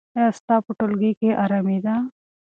ایا ستا په ټولګي کې ارامي ده؟